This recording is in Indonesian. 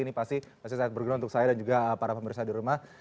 ini pasti masih sangat berguna untuk saya dan juga para pemirsa di rumah